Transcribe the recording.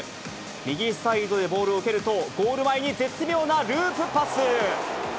右サイドでボールを受けると、ゴール前に絶妙なループパス。